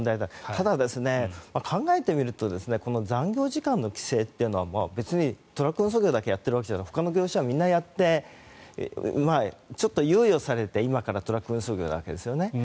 ただ、考えてみると残業時間の規制というのは別にトラック運送業だけじゃなくほかの業種はみんなやってちょっと猶予されて今からトラック運送業だけですよね。